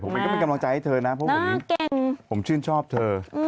ผมเองก็เป็นกำลังใจให้เธอนะเพราะผมชื่นชอบเธอ